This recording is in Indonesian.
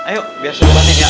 ayo biar sempat ya